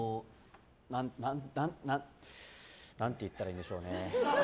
何て言ったらいいんでしょうね。